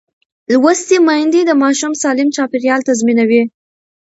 لوستې میندې د ماشوم سالم چاپېریال تضمینوي.